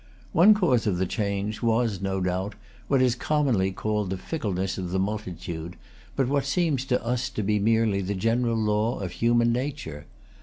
One cause of the change was, no doubt, what is commonly called the fickleness of the multitude, but what seems to us to be merely the general law of human nature.